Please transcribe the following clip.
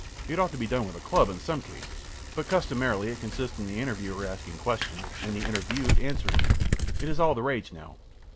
It ought to be done with a club in some cases; but customarily it consists in the interviewer asking questions and the interviewed answering them. It is all the rage now.